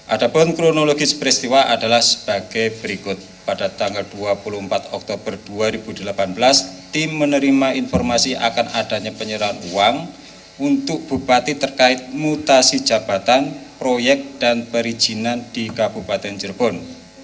ada pun kronologis peristiwa adalah sebagai berikut pada tanggal dua puluh empat oktober dua ribu delapan belas tim menerima informasi akan adanya penyerahan uang untuk bupati terkait mutasi jabatan proyek dan perizinan di kabupaten cirebon